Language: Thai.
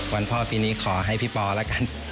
พ่อปีนี้ขอให้พี่ปอแล้วกัน